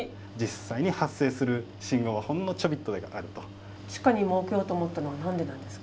実際に地下に設けようと思ったのは何でなんですか？